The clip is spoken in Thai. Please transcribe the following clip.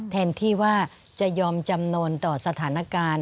แทนที่ว่าจะยอมจำนวนต่อสถานการณ์